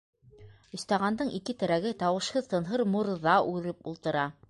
«Өс таған»дың ике терәге, тауышһыҙ-тынһыҙ мурҙа үреп ултыра.